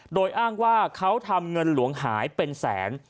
โดยอ้างว่าเขาทำเงินหลวงหายเป็นแสน